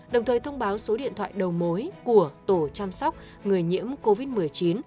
đồng thời thông báo số điện thoại đầu mối của tổ chăm sóc người nhiễm covid một mươi chín